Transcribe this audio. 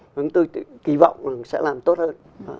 chúng tôi kỳ vọng rằng sẽ làm tốt hơn